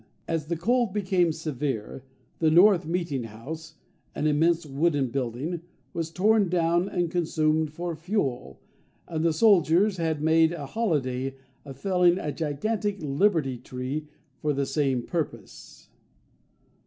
As the cold became severe, the North "meeting house," an immense wooden building, was torn down and consumed for fuel, and the soldiers had made a holiday of felling a gigantic Liberty tree for the same purpose.